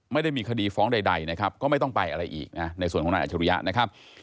ไม่ได้มีคดีฟ้องใดก็ไม่ต้องไปอะไรอีกในส่วนของนายอาชิริยะ